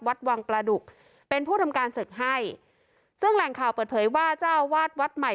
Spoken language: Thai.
วัดวังประดุกเป็นผู้ทำการศึกให้ซึ่งแหล่งข่าวเปิดเผยว่าเจ้าวาดวัดใหม่